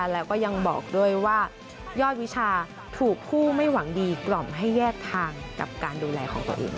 แล้วก็ยังบอกด้วยว่ายอดวิชาถูกผู้ไม่หวังดีกล่อมให้แยกทางกับการดูแลของตัวเอง